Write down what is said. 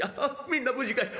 みんな無事かい。